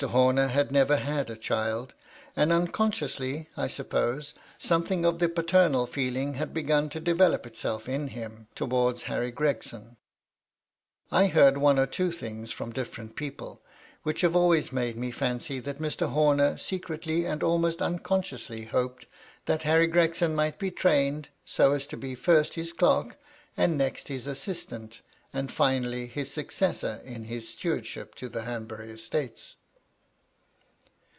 Homer had never had a child, and unconsciously, I suppose, something of the patemal feeling had begun to develop itself in him towards Harry Gregsoa I heard one or two things from difierent people, which have always made me fancy that Mr. Horner secretly and almost un consciously hoped that Harry Gregson might be trained so as to be first his derk, and next his assist M 2 244 MY LADY LUDLOW. ant, and finally his successor in his stewardship to the Hanbury estates.